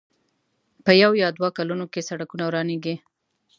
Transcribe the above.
په يو يا دوو کلونو کې سړکونه ورانېږي.